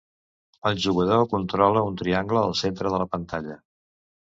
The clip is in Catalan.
El jugador controla un triangle al centre de la pantalla.